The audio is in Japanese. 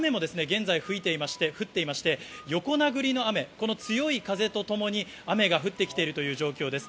雨も現在、降っていまして、横殴りの雨、強い風とともに雨が降ってきている状況です。